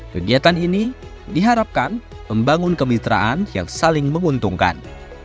kegiatan ini diharapkan membangun kemitraan yang saling menguntungkan